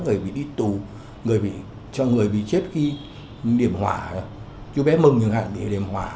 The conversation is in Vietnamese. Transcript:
người bị đi tù người bị chết khi điểm hỏa chú bé mừng khi điểm hỏa